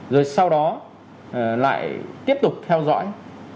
rồi sau đó lại tiếp tục theo dõi